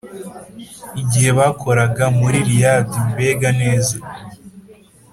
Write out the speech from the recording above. igihe bakoraga muri lydd, mbega neza.